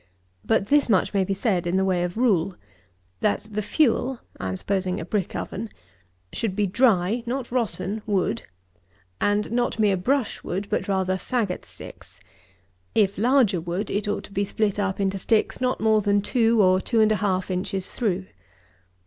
But this much may be said in the way of rule: that the fuel (I am supposing a brick oven) should be dry (not rotten) wood, and not mere brush wood, but rather fagot sticks. If larger wood, it ought to be split up into sticks not more than two, or two and a half inches through.